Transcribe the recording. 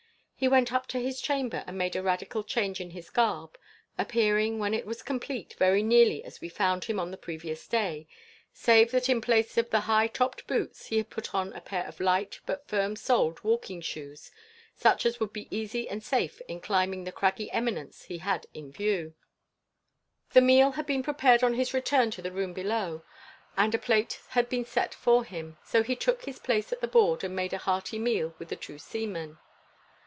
He went up to his chamber and made a radical change in his garb, appearing, when it was complete, very nearly as we found him on the previous day, save that in place of the high topped boots he had put on a pair of light, but firm soled, walking shoes, such as would be easy and safe in climbing the craggy eminence he had in view. The meal had been prepared on his return to the room below, and a plate had been set for him, so he took his place at the board and made a hearty meal with the two seamen.